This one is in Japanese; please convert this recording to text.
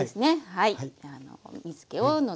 はい。